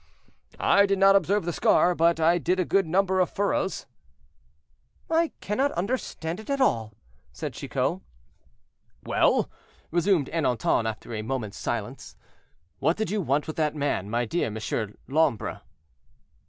"I did not observe the scar, but I did a good number of furrows." "I cannot understand it at all," said Chicot. "Well," resumed Ernanton, after a moment's silence, "what did you want with that man, my dear Monsieur l'Ombre?"